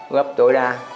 gấp tối đa